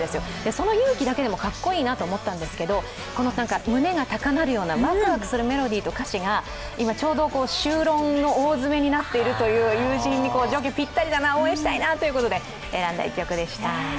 その勇気だけでもかっこいいなと思ったんですけど、この胸が高鳴るような、ワクワクするメロディーと歌詞が、今ちょうど修論の大詰めになっている友人の状況にピッタリだな、応援したいなということで選んだ一曲でした。